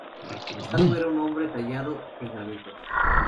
Sandow era un hombre tallado en granito.